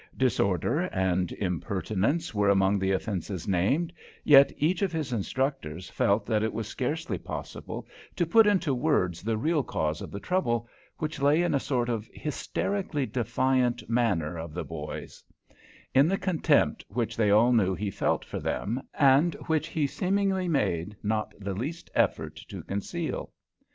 Disorder and impertinence were among the offences named, yet each of his instructors felt that it was scarcely possible to put into words the real cause of the trouble, which lay in a sort of hysterically defiant manner of the boy's; in the contempt which they all knew he felt for them, and which he seemingly made not the least effort to conceal.